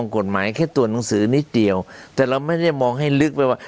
กฎหมายแค่ตัวหนังสือนิดเดียวแต่เราไม่ได้มองให้ลึกไปว่า